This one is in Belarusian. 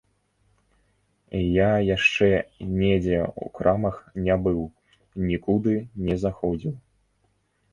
Я яшчэ недзе ў крамах не быў, нікуды не заходзіў.